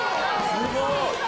すごい。